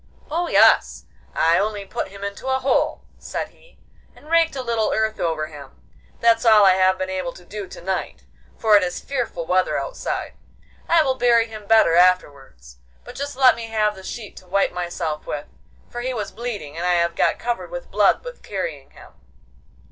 'Oh yes, I only put him into a hole,' said he, 'and raked a little earth over him; that's all I have been able to do to night, for it is fearful weather outside. I will bury him better afterwards, but just let me have the sheet to wipe myself with, for he was bleeding, and I have got covered with blood with carrying him.